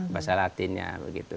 bahasa latinnya begitu